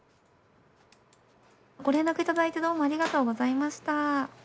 ご連絡頂いてどうもありがとうございました。